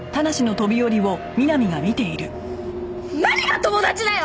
何が友達だよ！